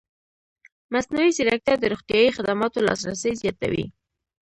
مصنوعي ځیرکتیا د روغتیايي خدماتو لاسرسی زیاتوي.